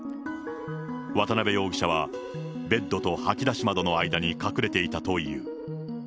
渡辺容疑者はベッドと掃き出し窓の間に隠れていたという。